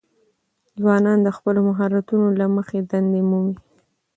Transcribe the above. ځوانان د خپلو مهارتونو له مخې دندې مومي.